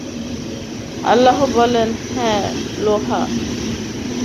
আল্লাহ বললেন, হ্যাঁ, লোহা।